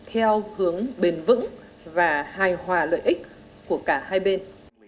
theo hướng bền vững và hài hòa lợi ích của cả hai bên